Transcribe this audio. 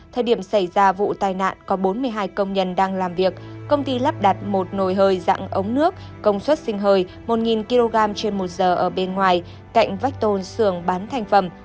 thời điểm xảy ra vụ tai nạn có bốn mươi hai công nhân đang làm việc công ty lắp đặt một nồi hơi dạng ống nước công suất sinh hơi một kg trên một giờ ở bên ngoài cạnh vách tôn sườn bán thành phẩm